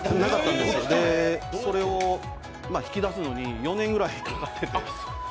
それを引き出すのに４年くらいかかって。